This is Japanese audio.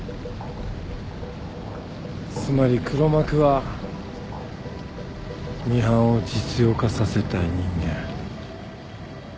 つまり黒幕はミハンを実用化させたい人間。